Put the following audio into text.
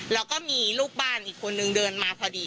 แล้วก็มีลูกบ้านอีกคนนึงเดินมาพอดี